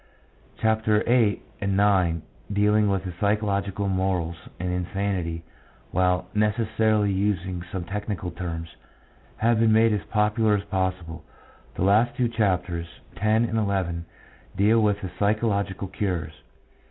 Chapters VIII. and IX., dealing with psychological morals and insanity, while necessarily using some technical terms, have been made as popular as possible; the last two chapters, X. and XL, deal with the psychological cures.